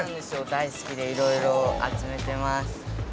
大好きでいろいろ集めてます。